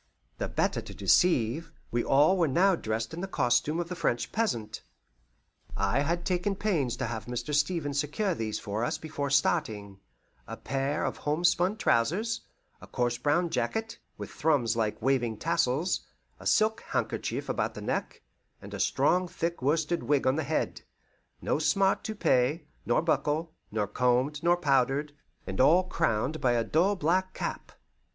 The better to deceive, we all were now dressed in the costume of the French peasant I had taken pains to have Mr. Stevens secure these for us before starting; a pair of homespun trousers, a coarse brown jacket, with thrums like waving tassels, a silk handkerchief about the neck, and a strong thick worsted wig on the head; no smart toupet, nor buckle; nor combed, nor powdered; and all crowned by a dull black cap.